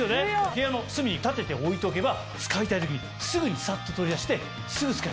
部屋の隅に立てて置いておけば使いたい時にすぐにサッと取り出してすぐ使えるんです。